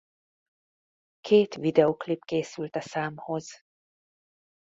Két videóklip készült a számhoz.